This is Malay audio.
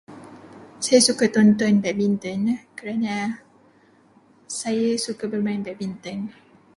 Saya suka tonton badminton kerana saya suka bermain badminton.